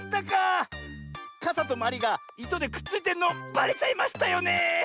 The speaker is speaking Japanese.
かさとまりがいとでくっついてるのばれちゃいましたよねえ。